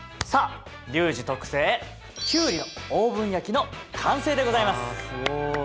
さあリュウジ特製きゅうりのオーブン焼きの完成でございます。